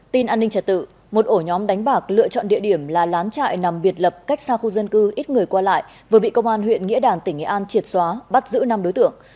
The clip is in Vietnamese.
tin an ninh trật tự một ổ nhóm đánh bạc lựa chọn địa điểm là lán trại nằm biệt lập cách xa khu dân cư ít người qua lại vừa bị công an huyện nghĩa đàn tỉnh nghệ an triệt xóa bắt giữ năm đối tượng